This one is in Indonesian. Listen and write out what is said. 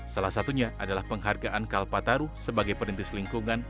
salah satunya adalah penghargaan kalpataru sebagai perintis lingkungan